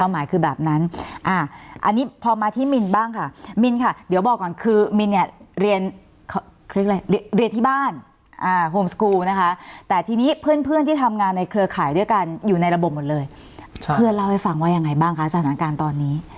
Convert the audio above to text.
หมายคือแบบนั้นอันนี้พอมาที่มินบ้างค่ะมินค่ะเดี๋ยวบอกก่อนคือมินเนี่ยเรียนที่บ้านโฮมสกูลนะคะแต่ทีนี้เพื่อนที่ทำงานในเครือข่ายด้วยกันอยู่ในระบบหมดเลยเพื่อนเล่าให้ฟังว่ายังไงบ้างคะสถานการณ์ตอนนี้